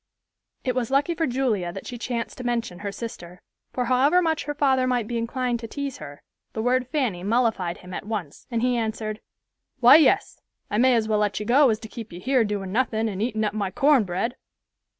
It was lucky for Julia that she chanced to mention her sister; for however much her father might be inclined to tease her, the word "Fanny" mollified him at once, and he answered, "Why, yes, I may as well let you go as to keep you here doing nothing, and eating up my corn bread."